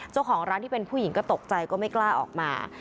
เจ้าของร้านที่เป็นผู้หญิงก็ตกใจก็ไม่กล้าออกมา